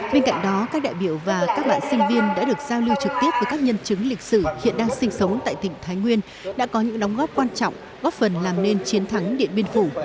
bên cạnh đó các đại biểu và các bạn sinh viên đã được giao lưu trực tiếp với các nhân chứng lịch sử hiện đang sinh sống tại tỉnh thái nguyên đã có những đóng góp quan trọng góp phần làm nên chiến thắng điện biên phủ